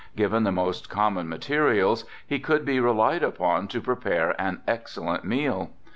Given the most common materials he could be relied upon to prepare an excellent meal.